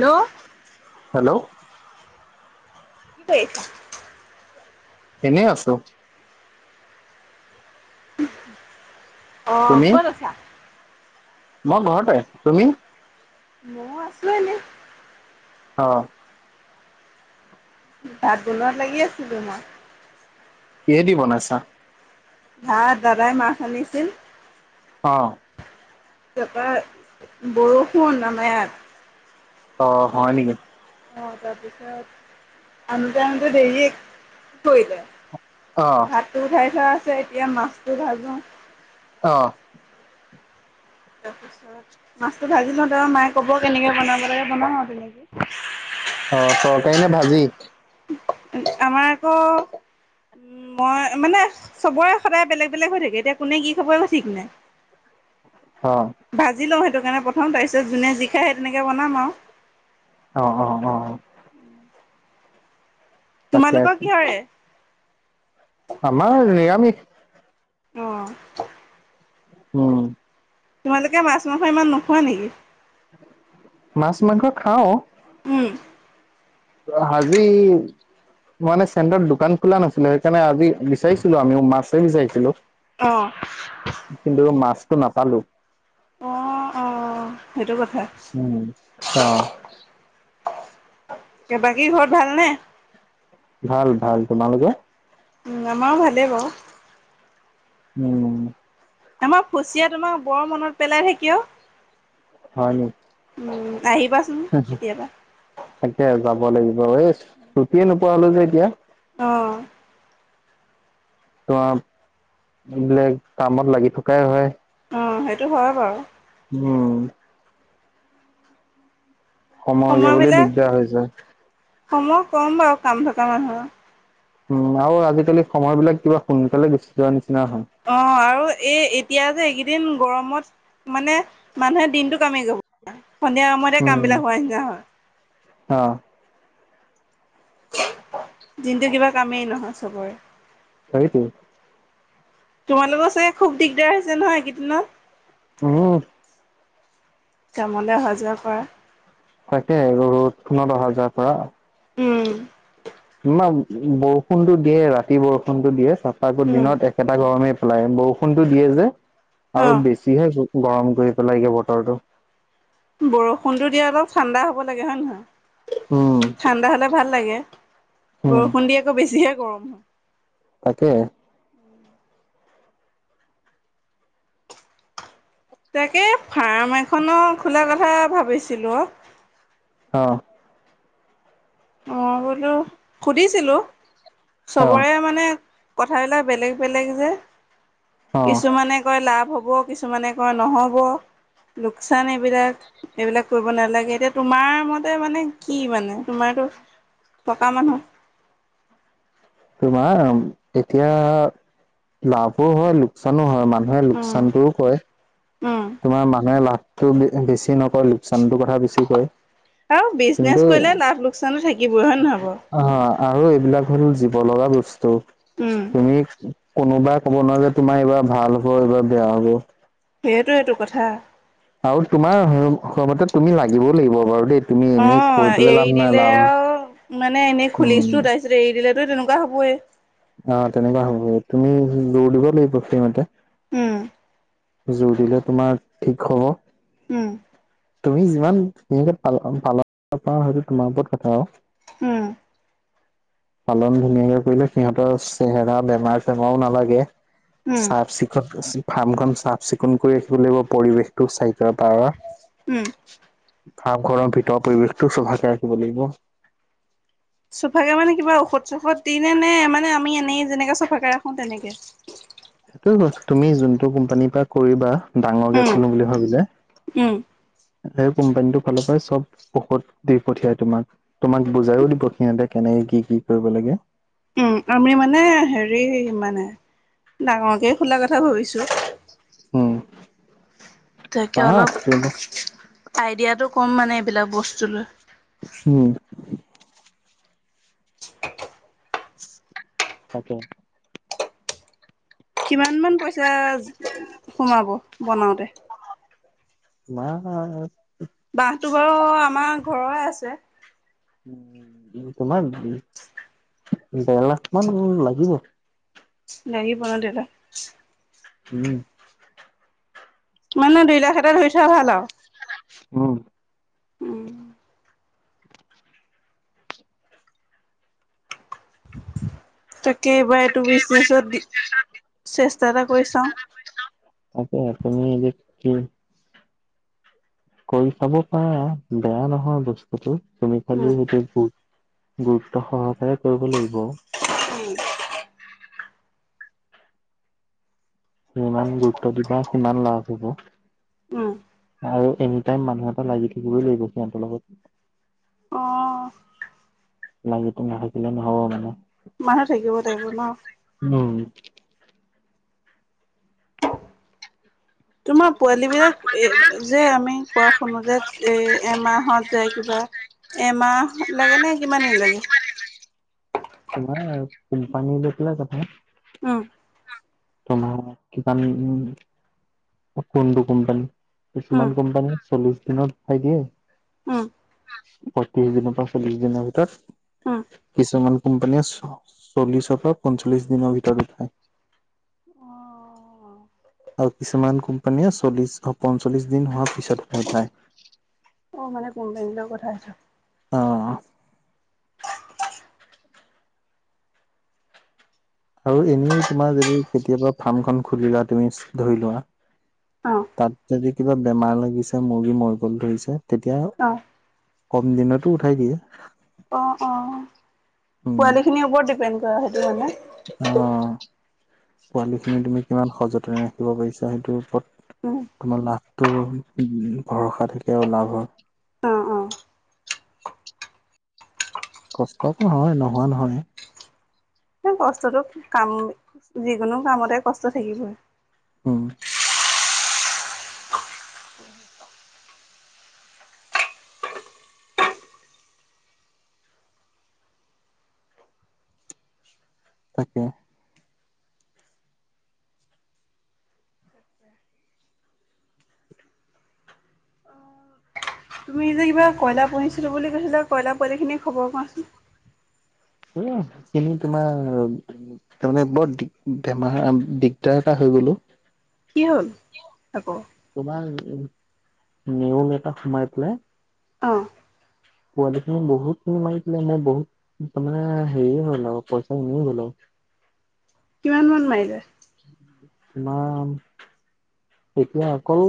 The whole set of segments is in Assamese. হেল্ল' হেল্ল' কি কৰি আছা? এনেই আছো। অ' তুমি ক'ত আছা। মই ঘৰতে তুমি। মই আছো এনে। অ' ভাত বনোৱাত লাগি আছিলো মই। কিহেদি বনাইছা। ভাত দাদাই মাছ আনিছিল। অ' তাৰপা বৰষুণ আম ইয়াত। অ' হয় নেকি? অ' তাৰপিছত আনোতে আনোতে দেৰিয়েই কৰিলে। অ ভাতটো উঠাই থোৱা আছে এতিয়া, মাছটো ভাজো। অ' তাৰপিছত মাছটো ভাজি লওঁ তেওঁ মায়ে ক'ব কেনেকে বনাব লাগে বনাও আৰু তেুনেকি। অ' তৰকাৰী নে ভাজি। আমাৰ আকৌ উম, মই মানে চবৰে সদায় বেলেগ- বেলেগ হৈ থাকে এতিয়া কোনে কি খাব ঠিকনাই। অ [inaudible] ভাজি লওঁ সেইটো কাৰণে প্ৰথম তাৰপিছত যোনে যি খায় সে তেনেকে বনাম আৰু। অ' অ' অ' অ'। তোমালোকৰ কি হয়? মিট আহ উম। তোমালোকে মাছ মাংস ইমান নোখোৱা নেকি? মাছ মাংস খাওঁ। উম। হাজিৰ মানে চেণ্টত দোকান খোলা নাছিলো, সেইকাৰণে আজি বিচাৰিছিলো আমি মাছে বিচাৰিছিলো। অ কিন্তু মাছটো নাপালো। অ অ সেইটো কথা উম, অ' বাকী ঘৰত ভালনে। ভাল ভাল তোমালোকে। উম আমাৰো ভালেই বাৰু। উম। আমাৰ ফুচিয়া তোমাক বৰ মনত পেলাই থাকি অ' হয় নেকি। উম, আহিবাচোন কেতিয়াবা। তাকে যাব লাগিব। এই ছুটিয়ে নোপোৱা হলোঁ যে এতিয়া। অ'। তোমাৰ এইবোলে কামত লাগি থকাই হয়। অ সেইটো হয় বাৰু। উম। সময় উলিয়াবলৈ সময়বিলাক দিগদাৰ হৈ যায়। সময় কম বাৰু কাম থকা মানুহৰ। উম আৰু আজিকালি সময় বিলাক কিবা সোনকালে গুছি যোৱা নিচি অ আৰু এই এতিয়া যে এই এদিন গৰমত মানে মানুহে দিনটো কামাই যাব। সন্ধিয়া সময়তে কাম উম বিলাক হোৱাই। [unintelligible] অ। দিনটো কিবা কামেই নহয় চবৰে। সেইটোৱে। তোমালোকৰ চাগে খুব দিগদাৰ হৈছে নহয় এই কেইদিনত। উম। কামলৈ অহা যোৱা কৰা। তাকে ৰ'দ খনত অহা যোৱা কৰা। উম। [unintelligible] বৰষুণতো দিয়ে ৰাতি বৰষুণতো দিয়ে তাৰপৰা আকৌ উম। দিনত একেটা গৰমেই। [unintelligible] বৰষুণটো দিয়ে যে আৰু অ', বেছিহে গৰম কৰি পেলাই গে বতৰটো। বৰষুণতো দিয়াই অলপ ঠাণ্ডা হ'ব লাগে হয় নে উম নহয়। ঠাণ্ডা হ'লে ভাল লাগে উম বৰষুণ দি আকৌ বেছিহে গৰম। তাকে। তাকে ফাৰ্ম এখনো খোলা কথা ভাবিছিলো। অ। অ বোলো সুধিছিলো অ চবৰে মানে। কথাবিলাক বেলেগ বেলেগ যে অ কিছুমানে কয় লাভ। হ'ব কিছুমানে কয় নহ'ব। লোকচান এইবিলাক, এইবিলাক কৰিব নালাগে এতিয়া তোমাৰ মতে মানে। কি মানে তোমাৰতো থকা মানুহ। তোমাৰ এতিয়া লাভো হয় লোকচানো হয় মা নুহে উম লোকচানটোও কৰে উম তোমাৰ মানুহে লাভ তো বেছি নকয় লোকচানটোৰ কথা বেছি কয়। আৰু কিন্তু বিজনেচ কৰিলে অ লাভ লোকচানো থাকিবই হয় নহয় বাৰু। আৰু এইবিলাক হ'ল জীৱ লগা বস্তু উম তুমি। কোনোবাই ক'ব নোৱাৰে যে তোমাৰ এইবাৰ ভাল হ'ব এইবাৰ বেয়া হ'ব। সেইটোৱেটো কথা। আৰু তোমাৰ সময়মতে তুমি লাগিবও লাগিব বাৰু দেই। তুমি অ এনেই কৈ পেলাই লাভ এৰি নাই দিলে লাভ আৰু মানে এনেই উম খুলিছোঁ তাৰপিছত এৰি দিলে। [unintelligible] তেনেকুৱা হ'বয়ে। অ তেনেকুৱা হ'ব তুমি জোৰ দিব লাগিব সেইমতে। উম। জোৰ দিলে তোমাৰ ঠিক হব। উম। তুমি যিমান প-পাল [unintelligible] সেইটো তোমাৰ ওপৰত কথা আৰু। [unintelligible] পালন ধুনীয়াকে কৰিলে সিহঁতৰ চেহেৰা বেমাৰ চেমাৰও নালাগে। উম চাফ চিকুণ ফাৰ্মখন চাফ চিকুণ কৰি ৰাখিব লাগিব পৰিৱেশটো। [unintelligible] উম। খাপ ঘৰৰ ভিতৰৰ পৰিৱেশটো চফাকে ৰাখিব লাগিব। চোফাকে মানে কিবা ঔষধ চফত দিনে নে মানে আমি এনেই যেনেকে চফাকে ৰাখো তেনেকে। সেইটোয়ে ক তুমি যোনটো কোম্পানীৰ পৰা কৰিবা। ডাঙৰকে উম খুলো বুলি ভাবিলে, উম স কোম্পানীটোৰ ফালৰ পৰাই চব, ঔষধ দি পঠিয়াই তোমাক, তোমাক বুজাইও দিব সিহঁতে কেনেকে কি কি কি কৰিব লাগে। উম আমি মানে হেৰি মানে, ডাঙৰকে খোলা কথা ভাবিছো। আহ। তাকে অলপ আইডিয়াটো কম মানে এইবিলাক বস্তু লৈ। উম। [unintelligible] অাকে। কিমান মান পইচা সোমাব, বনাওতে। [unintelligible] বহটো বাৰু আমাৰ ঘৰৰে আছে। উ তোমাৰ, ডহ লাখ মান লাগিব। [unintelligible] উম। মানে দুইলাখ এটাত ধৰি থোৱা ভাল আৰু। উম। উম, তাকে এইবাৰ এইটো বিজনেছত দি চেষ্টা এটা কৰি চাওঁ। তাকে তুমি যি কৰি চাব পাৰা বেয়া নহয় বস্তুটো, তুমি উম, খালি সৈতে ভুল গুৰুত্ব সহকাৰে কৰিব লাগিব। উম, ইমান গুৰুত্ব দিবা সিমান লাভ হব। উম, আৰু এনি টাইম মানুহ এটা লাগি থাকিবই লাগিব সিহঁতৰ লগত। অ', লাগিটো নাথাকিলে নহ'ব মানে। মানুহ থাকিব লাগিব ন? উম, তোমাক পোৱালিবিলাক এই যে, আমি কোৱা শুনো যে এই এমাহত যে কিবা এমাহ লাগে নে কিমান দিন লাগে? তোমাৰ কোম্পানী লৈ পেলাই যাব। উম। তোমাৰ কিমান কোনটো কোম্পানী? কিছুমান উম কোম্পানী চল্লিশ দিনত উঠাই দিয়ে। উম পঁয়ত্ৰিশ দিনৰ পৰা চল্লিশ দিনৰ ভিতৰত, উম কিছুমান কোম্পানীয়ে চল্লিছৰ পৰা পঞ্চল্লিছ দিনৰ ভিতৰত উঠায়। অ আৰু কিছুমান কোম্পানীয়ে চল্লিশ পঞ্চল্লিছ দিন হোৱাৰ পিছত উঠায়। অ', মানে কোম্পানীলৈ পঠাইছো। অ'। আৰু এনে তোমাৰ যদি কেতিয়াবা ফাৰ্ম খন খুলিলা তুমি ধৰি লোৱা সেইটো তাত যদি কিবা বেমাৰ লাগিছে মুৰ্গী মৰিব ধৰিছে। তেতিয়া, অ কম দিনতো উঠাই দিয়ে। অ' অ', উম পোৱালি খিনিৰ ওপৰত ডিপেণ্ড কৰা সেইটো কাৰণে। অ', পোৱালি খিনি তুমি কিমান সযতনে ৰাখিব পাৰিছা, সেইটোৰ ওপৰত উম তোমাৰ লাভটোও ভৰসা থাকে আৰু লাভৰ। অ' অ'। কষ্ট হয়, নোহোৱা নহয়। কষ্টটো, কাম যিকোনো কামতে কষ্ট থাকিবই। উম। তাকে। তুমি যে কিবা কয়লাৰ পুহিছিলো বুলি কৈছিলা, কয়লাৰ পোৱালিখিনি খবৰ কোৱাচোন? সেইখিনি তোমাৰ, তাৰমানে বৰ দিগ বেমাৰ দিগদাৰ এটা বোলো। কি হ'ল আকৌ? তোমাৰ নেউল এটা সোমাই পেলাই অ'। পোৱালিখিনি বহুতখিনি মাৰিপেলাই, মই বহুত তাৰমানে হেৰি হল আৰু পইচা এনেই গল আৰু। কিমান মান মাৰিলে? ইমান এতিয়া অকল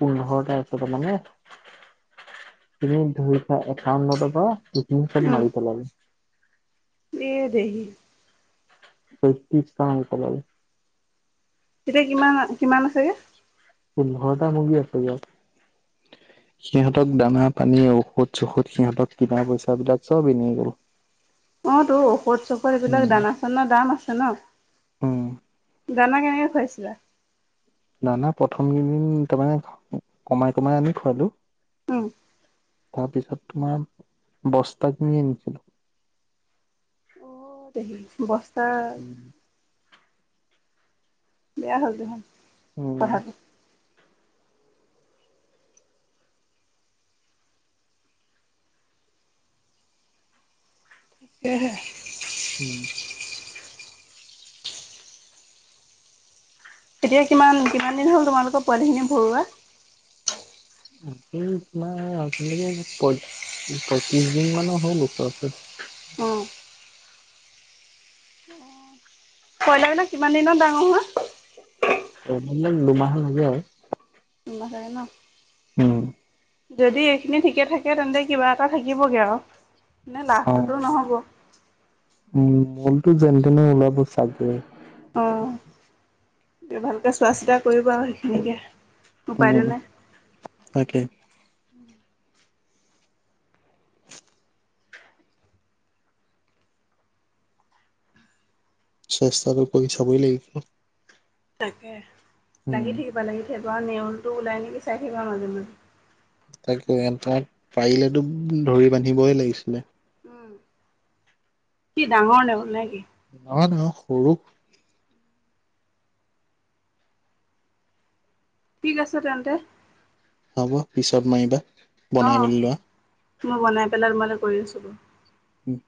পোন্ধৰটা আছে, তাৰ মানে [unintelligible] বা সেইখিনি চব মাৰি পেলালে। ইয়ে দেহি। ছয়ত্ৰিশটা মাৰি পেলালে। এতিয়া কিমান-কিমান আছেগে? পোন্ধৰটা মুৰ্গী আছে ইয়াত। [inaudible] সিহঁতক দানা পানী ঔষধ-চৌষধ, সিহঁতক কিনা পইচাবিলাক চব এনেই গল। অ', টো, ঔষধ-চষধ এইবিলাক দানা চানা দাম আছে নহ? অ',। দানা কেনেকে খুৱাইছিলা? দানা প্ৰথম কেইদিন তাৰমানে কমাই-কমাই আনি খোৱালো। উম। তাৰপিছত তোমাৰ, বস্তা কিনি আনিছিলো। অ', দেহি বস্তা বেয়া হল [unintelligible] উম, কথাটো। [unintelligible] উম। এতিয়া কিমান-কিমান দিন হ'ল তোমালোকৰ পোৱালিখিনি ভৰুৱা? তাকেই তোমাৰ প পয়ত্ৰিশ দিন মানৰ হ'ল। [unintelligible] অ কয়লাৰ বিলাক কিমান দিনত ডাঙৰ হয়? এমাহ বা দুমাহমান হব। দুমাহ চাগে নহ? উম। যদি এইখিনি ঠিকে থাকে, তেন্তে কিবা এটা থাকিবগে আৰু। নে অ', লাষ্টটোতো নহ'ব? উম, মলটো যেন তেনে ওলাব চাগে? এতিয়া ভালকে চোৱা-চিতা কৰিবা সেইখিনিকে। উপায়টো উম, তাকে নাই। চেষ্টাটো কৰি চাবই লাগিব। তাকে, লাগি উম, থাকিবা লাগি থাকি [unintelligible] নেউলটো ওলাই নেকি চাই থাকিবা মাজে মাজে। তাকে, তাক পাৰিলেতো ধৰি বান্ধিবই লাগিছিলে। উম, কি ডাঙৰ নেউল নে কি? নহয় নহয় সৰু। ঠিক আছে তেন্তে। হ'ব পিছত মাৰিবা বনাই অ', মেলি লোৱা। মই বনাই পেলাই মানে কৰি আছোঁ। উম।